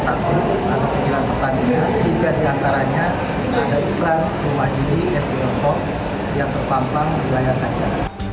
ada sembilan pertandingan tiga diantaranya ada iklan rumah judi spl empat yang terpampang bergaya kacang